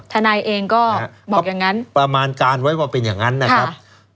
ทนายเองก็บอกอย่างนั้นประมาณการไว้ว่าเป็นอย่างนั้นนะครับ